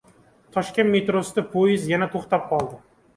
Toshkent metrosida poyezd yana to‘xtab qoldi